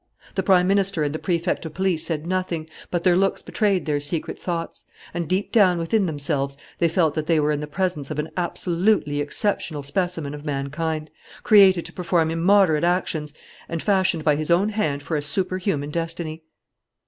The Prime Minister and the Prefect of Police said nothing, but their looks betrayed their secret thoughts. And deep down within themselves they felt that they were in the presence of an absolutely exceptional specimen of mankind, created to perform immoderate actions and fashioned by his own hand for a superhuman destiny.